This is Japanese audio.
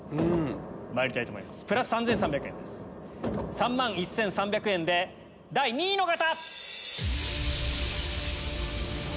３万１３００円で第２位の方！